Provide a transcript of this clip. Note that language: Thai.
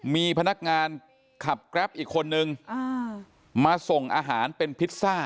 มีพนักงานขับแกรปอีกคนนึงมาส่งอาหารเป็นพิซซ่า